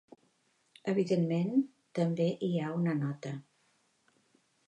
Evidentment també hi ha una nota.